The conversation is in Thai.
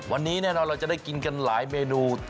วันนี้ใต้น้อยเราจะกินกันหลายเมนู